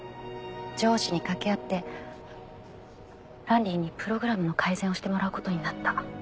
上司に掛け合ってランリーにプログラムの改善をしてもらうことになった。